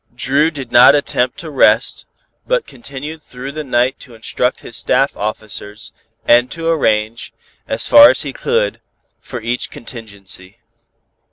Dru did not attempt to rest, but continued through the night to instruct his staff officers, and to arrange, as far as he could, for each contingency.